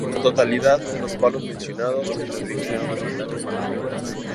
La totalidad de los palos mencionados tiene su origen en el fandango malagueño.